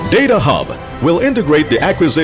data hub akan mengintegrasi